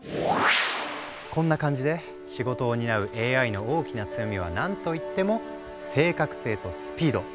こんな感じで仕事を担うＡＩの大きな強みは何といっても正確性とスピード。